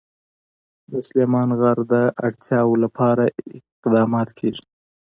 د سلیمان غر د اړتیاوو لپاره اقدامات کېږي.